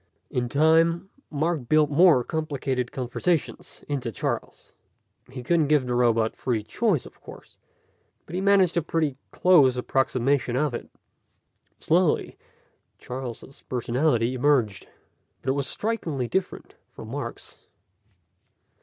In time, Mark built more complicated conversations into Charles. He couldn't give the robot free choice, of course, but he managed a pretty close approximation of it. Slowly, Charles' personality emerged. But it was strikingly different from Mark's.